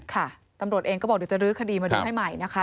ค่ะตำรวจเองก็บอกเดี๋ยวจะลื้อคดีมาดูให้ใหม่นะคะ